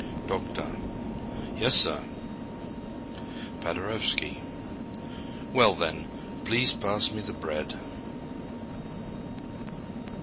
"Doctor": "Yes, sir." Paderewski: "Well, then, please pass me the bread."